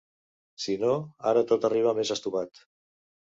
Si no, ara tot arriba més estovat.